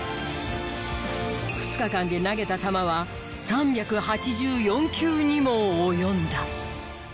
２日間で投げた球は３８４球にも及んだ。